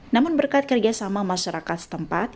namun berkat kerjasama masyarakat setempat